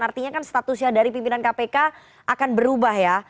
artinya kan statusnya dari pimpinan kpk akan berubah ya